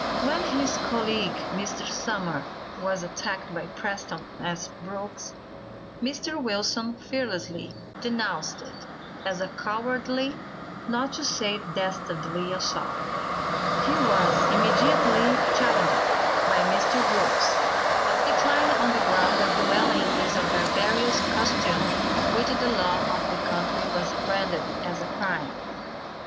When his colleague, Mr. Sumner, was attacked by Preston S. Brooks, Mr. Wilson fearlessly denounced it as a cowardly, not to say dastardly assault. He was immediately challenged by Mr. Brooks, but declined on the ground that dueling is a barbarous custom which the law of the country has branded as a crime.